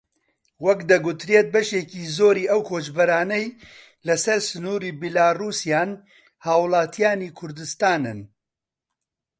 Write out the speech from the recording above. وەک دەگوترێت بەشێکی زۆری ئەو کۆچبەرانەی لەسەر سنووری بیلاڕووسیان هاوڵاتیانی کوردستانن